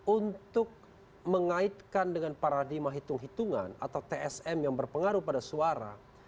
untuk mengaitkan dengan paradigma hitung hitungan atau tsm yang berpengaruh pada suara